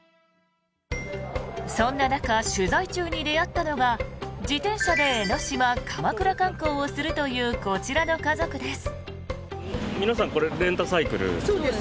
そんな中、取材中に出会ったのが自転車で江の島・鎌倉観光をするというこちらの家族です。